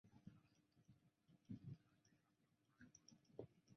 瑞声科技控股有限公司是一家在香港交易所上市的工业公司。